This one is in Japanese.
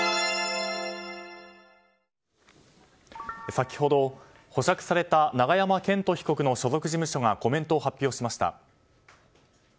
先ほど保釈された永山絢斗被告の所属事務所がコメントを発表しました。